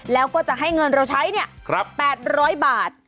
แล้วก็จะให้เงินเราใช้๘๐๐บาท